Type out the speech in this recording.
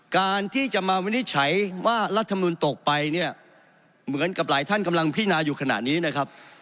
การที่จะมาวินิจฉัยว่ารัฐมนุนตกไปเนี่ยเหมือนกับหลายท่านกำลังพินาอยู่ขณะนี้นะครับ